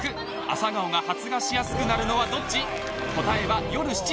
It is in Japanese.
アサガオが発芽しやすくなるのはどっち？